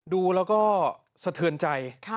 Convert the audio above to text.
ดูแล้วก็สะเทือนใจ